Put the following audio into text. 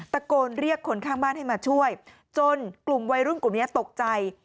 ตะโกนเรียกคนข้างบ้านให้มาช่วยจนกลุ่มวัยรุ่นกลุ่มนี้ตกใจ